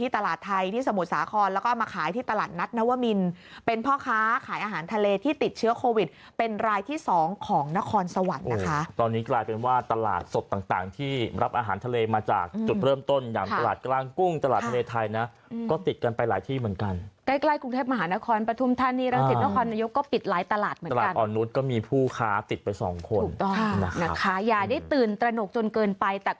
ตลาดนัตนวมินเป็นพ่อค้าขายอาหารทะเลที่ติดเชื้อโควิดเป็นรายที่สองของนครสวรรค์นะคะตอนนี้กลายเป็นว่าตลาดสดต่างต่างที่รับอาหารทะเลมาจากจุดเริ่มต้นอย่างตลาดกลางกุ้งตลาดทะเลไทยนะก็ติดกันไปหลายที่เหมือนกันใกล้ใกล้กรุงเทพมหานครประทุมธนีรังเศรษฐ์นครนโยคก็ปิดรายตลาดเหมือน